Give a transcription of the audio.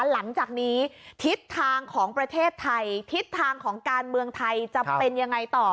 หลังจากนี้ทิศทางของประเทศไทยทิศทางของการเมืองไทยจะเป็นยังไงต่อ